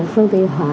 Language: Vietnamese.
phương tư hóa